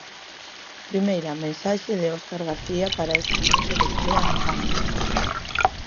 Primeira mensaxe de Óscar García para esta noite de estrea no Camp Nou.